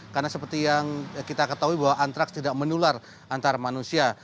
karena seperti yang kita ketahui bahwa antraks tidak menular antara manusia